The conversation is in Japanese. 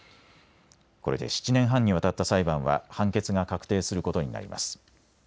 これで７年半にわたった裁判は判決が確定することになります。